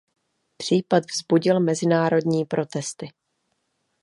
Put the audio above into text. Případ vzbudil mezinárodní protesty.